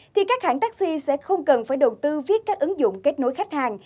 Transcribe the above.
thì các hãng taxi sẽ không cần phải đầu tư viết các ứng dụng kết nối khách hàng